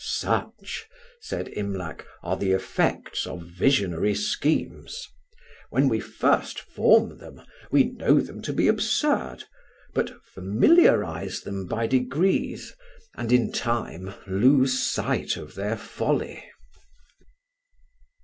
"Such," said Imlac, "are the effects of visionary schemes. When we first form them, we know them to be absurd, but familiarise them by degrees, and in time lose sight of their folly."